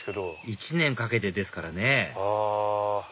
１年かけてですからねはぁ。